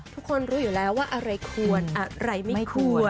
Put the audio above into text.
ทุกคนรู้อยู่แล้วว่าอะไรควรอะไรไม่ควร